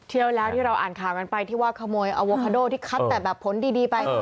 เที่ยวแล้วที่เราอ่านข่าวกันไปที่ว่าขโมยอโวคาโดที่คัดแต่แบบผลดีไป